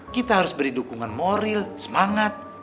kita harus beri dukungan moral semangat